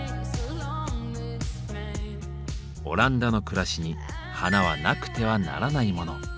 オランダの暮らしに花はなくてはならないモノ。